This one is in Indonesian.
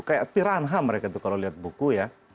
kayak piranha mereka tuh kalau lihat buku ya